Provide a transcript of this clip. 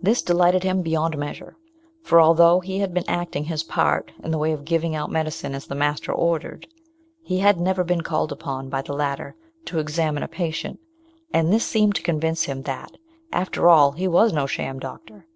This delighted him beyond measure, for although he had been acting his part in the way of giving out medicine as the master ordered it, he had never been called upon by the latter to examine a patient, and this seemed to convince him that, after all, he was no sham doctor.